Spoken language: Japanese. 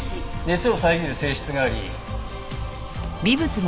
熱を遮る性質があり。